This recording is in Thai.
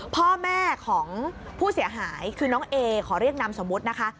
พ่อแม่ของผู้เสียหายคือน้องเอขอเรียกนามสมมุตินะคะ